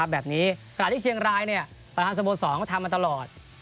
แบบนี้ขณะที่เชียงรายประธานสะโบสถ์๒เขาทำมาตลอด